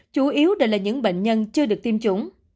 chủ yếu đều là những bệnh nhân chưa được tiêm chủng